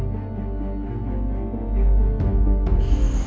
jadi mereka juga sudah berusaha